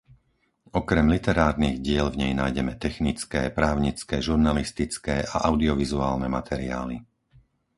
Okrem literárnych diel v nej nájdeme technické, právnické, žurnalistické a audiovizuálne materiály.